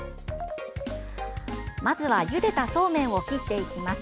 まずは、ゆでたそうめんを切っていきます。